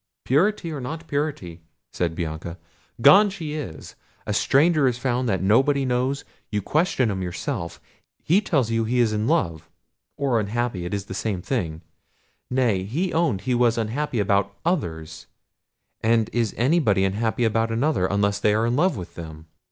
"Purity, or not purity," said Bianca, "gone she is—a stranger is found that nobody knows; you question him yourself; he tells you he is in love, or unhappy, it is the same thing—nay, he owned he was unhappy about others; and is anybody unhappy about another, unless they are in love with them?